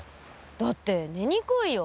だって寝にくいよ。